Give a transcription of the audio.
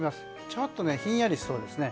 ちょっとひんやりしそうですね。